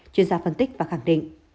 chuyên gia phân tích và khẳng định